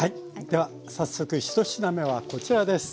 では早速１品目はこちらです。